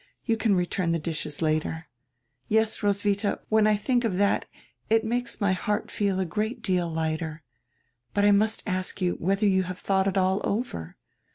You can return the dishes later.' Yes, Roswitha, when I think of that it makes my heart feel a great deal lighter. But I must ask you whether you have thought it all over?